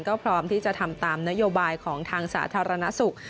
ก็พร้อมที่จะทำตามนโยบายของทางสาธารณสุข